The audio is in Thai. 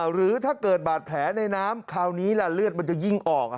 หรือถ้าเกิดบาดแผลในน้ำคราวนี้ล่ะเลือดมันจะยิ่งออก